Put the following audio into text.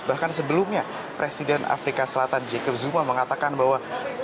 bahkan sebelumnya presiden afrika selatan jacob zuma mengatakan bahwa